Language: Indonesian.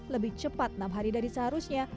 lebih cepat enam hari dari seharusnya